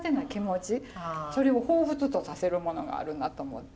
それを彷彿とさせるものがあるなと思って。